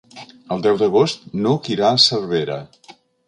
El deu d'agost n'Hug irà a Cervera.